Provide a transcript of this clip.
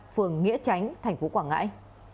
phường nghĩa chánh tp quảng ngãi